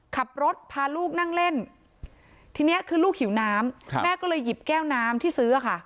ขับรถพาลูกนั่งเล่นทีนี้คือลูกหิวน้ำแม่ก็เลยหยิบแก้วน้ำที่ซื้อค่ะ